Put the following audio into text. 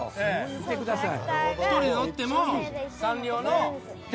見てください。